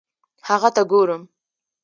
هغه ته ګورم